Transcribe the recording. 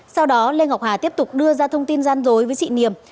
sau đó lê ngọc hà tiếp tục đưa ra thông tin gian dối với chị niềm